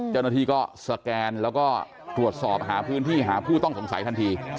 เจ้าหน้าที่ก็สแกนแล้วก็ตรวจสอบหาพื้นที่หาผู้ต้องสงสัยทันที